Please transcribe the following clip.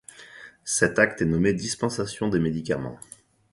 Cet acte est nommé dispensationdes médicaments.